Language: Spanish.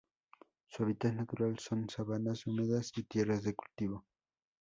Su hábitat natural son: sabanas húmedas y tierras de cultivo.